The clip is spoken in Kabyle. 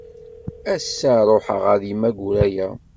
Ass-a ruḥeɣ ɣer Yemma Guraya.